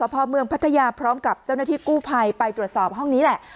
พอเมืองพัทยาพร้อมกับเจ้าหน้าที่กู้ภัยไปตรวจสอบห้องนี้แหละ